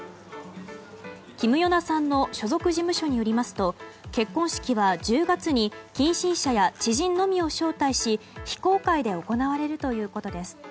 キム・ヨナさんの所属事務所によりますと結婚式は１０月に近親者や知人のみを招待し非公開で行われるということです。